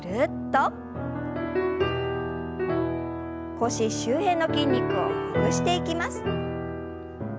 腰周辺の筋肉をほぐしていきます。